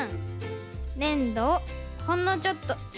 ねんどをほんのちょっとちぎって。